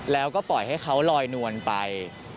แล้วก็ปล่อยให้เขาลอยนวลไป